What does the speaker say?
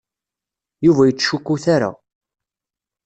Yuba ur yettcukkut ara.